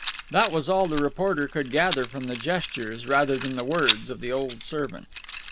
That was all the reporter could gather from the gestures rather than the words of the old servant.